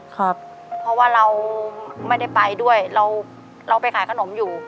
เพราะว่าเราไม่ได้ไปด้วยเราไปขายขนมอยู่